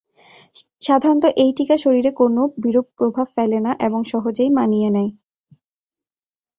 সাধারণত এই টীকা শরীরে কোনো বিরূপ প্রভাব ফেলে না এবং সহজেই মানিয়ে নেয়।